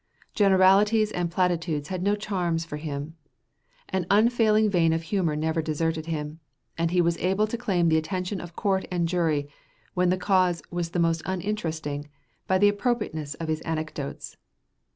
Generalities and platitudes had no charms for him. An unfailing vein of humor never deserted him; and he was able to claim the attention of court and jury, when the cause was the most uninteresting, by the appropriateness of his anecdotes.